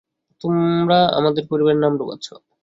তোমরা আমাদের পরিবারের নাম ডুবাচ্ছ!